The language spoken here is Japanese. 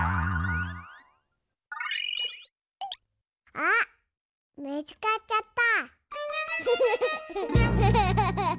あっみつかっちゃった！